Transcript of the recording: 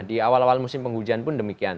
di awal awal musim penghujan pun demikian